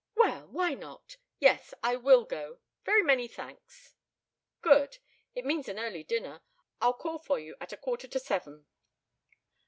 "Well! Why not? Yes, I will go. Very many thanks." "Good. It means an early dinner. I'll call for you at a quarter to seven."